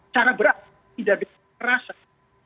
cara beragama tidak dikerasakan